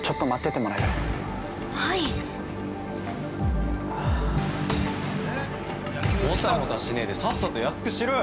◆もたもたしねえでさっさと安くしろよ。